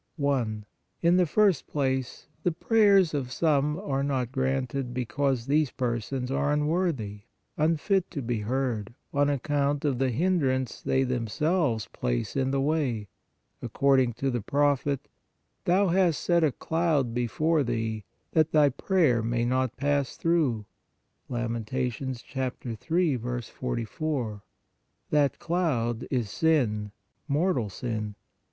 i. In the first place, the prayers of some are not granted, because THESE PERSONS ARE UNWORTHY, UNFIT TO BE HEARD, on account of the hindrance they themselves place in the way, according to the prophet :" Thou hast set a cloud before thee, that thy prayer may not pass through " (Lament. 3. 44). That cloud is sin, mortal sin.